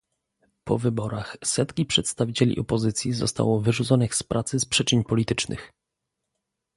Po wyborach setki przedstawicieli opozycji zostało wyrzuconych z pracy z przyczyn politycznych